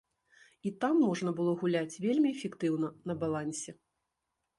І там можна было гуляць вельмі эфектыўна на балансе.